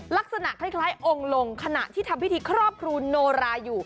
ลักษณะคล้ายองค์ลงขณะที่ทำพิธีครอบครูโนราอยู่